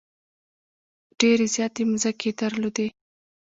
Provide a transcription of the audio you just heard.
ډېرې زیاتې مځکې یې درلودلې.